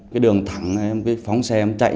cái đường thẳng em với phóng xe em chạy